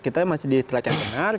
kita masih di track yang benar